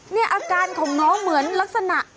นี่อาการของน้องเหมือนลักษณะ